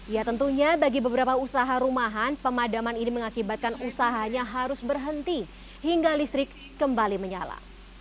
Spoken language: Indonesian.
ya tentunya bagi beberapa usaha rumahan pemadaman ini mengakibatkan usahanya harus berhenti hingga listrik kembali menyala